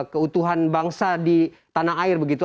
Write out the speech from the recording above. keutuhan bangsa di tanah air begitu